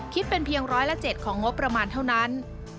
คิดเป็นเพียงร้อยละ๗ของงบประมาณเท่านั้น